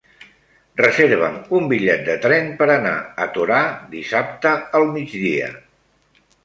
Reserva'm un bitllet de tren per anar a Torà dissabte al migdia.